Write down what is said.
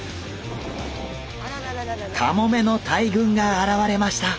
カモメの大群が現れました！